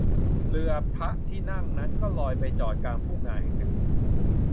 เรือพระที่นั่งนั้นก็ลอยไปจอดกลางทุ่งนาแห่งหนึ่ง